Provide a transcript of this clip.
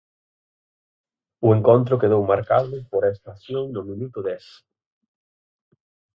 O encontro quedou marcado por esta acción no minuto dez.